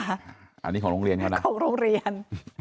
อันนี้ของโรงเรียนเขานะของโรงเรียน